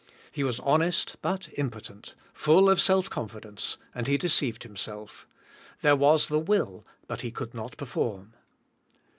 He was honest but impotent, full of self confidence and he deceived himself. There was the will, but he could not perform.